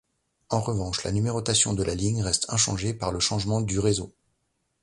En revanche, la numérotation de la ligne reste inchangée par le changement du réseau.